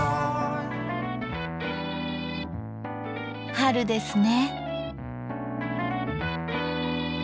春ですね。